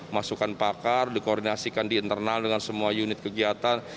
masukan pakar dikoordinasikan di internal dengan semua unit kegiatan